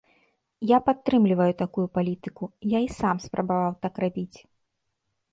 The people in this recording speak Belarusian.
Я падтрымліваю такую палітыку, я і сам спрабаваў так рабіць.